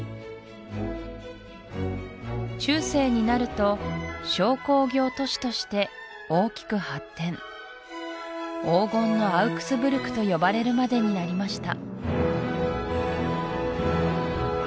中世になると商工業都市として大きく発展「黄金のアウクスブルク」と呼ばれるまでになりました